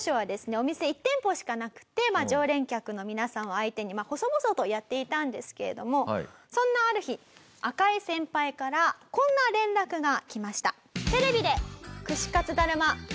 お店１店舗しかなくて常連客の皆さんを相手に細々とやっていたんですけれどもそんなある日赤井先輩からこんな連絡が来ました。